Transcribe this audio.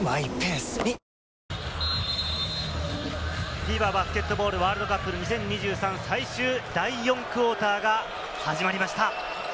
ＦＩＢＡバスケットボールワールドカップ２０２３、最終第４クオーターが始まりました。